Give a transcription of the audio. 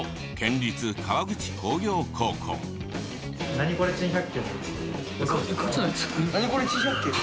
『ナニコレ珍百景』ですか？